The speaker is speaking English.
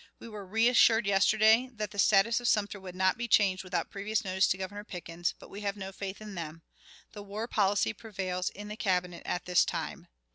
We were reassured yesterday that the status of Sumter would not be changed without previous notice to Governor Pickens, but we have no faith in them. The war policy prevails in the Cabinet at this time.